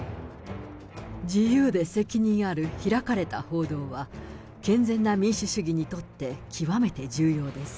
自由で責任ある開かれた報道は、健全な民主主義にとって、極めて重要です。